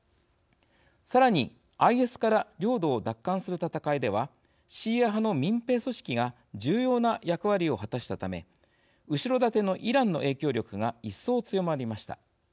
さらに、ＩＳから領土を奪還する戦いではシーア派の民兵組織が重要な役割を果たしたため後ろ盾のイランの影響力が一層、強まりました。